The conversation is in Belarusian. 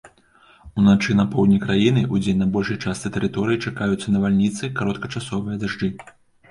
Уначы на поўдні краіны, удзень на большай частцы тэрыторыі чакаюцца навальніцы, кароткачасовыя дажджы.